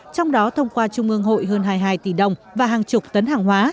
trong đó thông qua trung ương hội hơn hai mươi hai tỷ đồng và hàng chục tấn hàng hóa